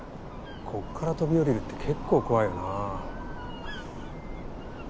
こっから飛び降りるってけっこう怖いよなぁ。